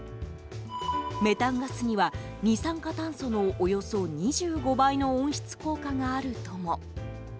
メタンガスには二酸化炭素のおよそ２５倍の温室効果があるとも。